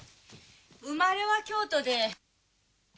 生まれは京都で。